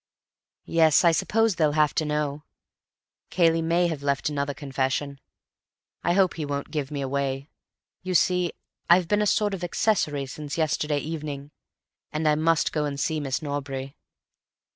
"Yes, I suppose they'll have to know. Cayley may have left another confession. I hope he won't give me away; you see, I've been a sort of accessory since yesterday evening. And I must go and see Miss Norbury."